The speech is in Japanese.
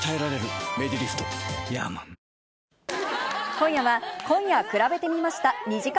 今夜は、今夜くらべてみました２時間